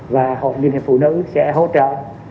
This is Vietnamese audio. và hội liên hiệp phụ nữ sẽ hỗ trợ